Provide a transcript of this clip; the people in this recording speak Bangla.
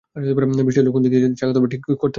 বৃষ্টি হলে কোন দিক দিয়ে চাকা ধরব, ঠিক করতে পারি না।